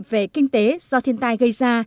về kinh tế do thiên tai gây ra